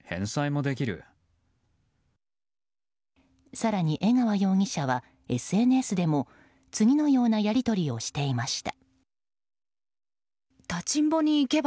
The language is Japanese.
更に江川容疑者はＳＮＳでも次のようなやり取りをしていました。